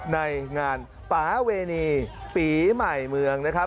ในงานปาเวณีปีใหม่เมืองนะครับ